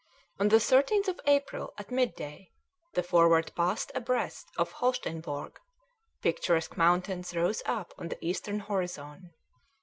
On the 30th of April, at midday, the Forward passed abreast of Holsteinborg; picturesque mountains rose up on the eastern horizon.